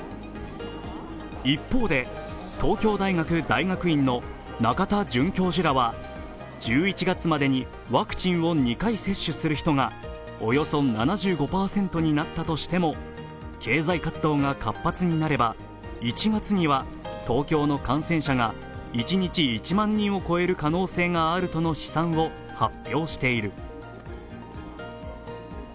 一方で東京大学大学院の仲田准教授らは１１月までにワクチンを２回接種する人がおよそ７５％になったとしても経済活動が活発になれば１月には東京の感染者が一日１万人を超える可能性があるとの試算を発表している。